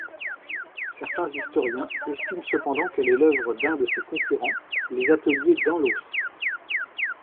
Certains historiens estiment cependant qu'elle est l'œuvre d'un de ses concurrents, les ateliers Danlos.